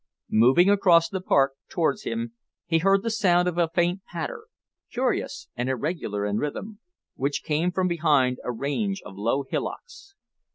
Moving across the park towards him he heard the sound of a faint patter, curious and irregular in rhythm, which came from behind a range of low hillocks.